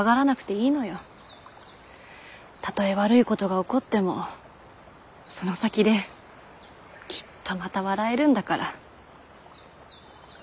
たとえ悪いことが起こってもその先できっとまた笑えるんだから。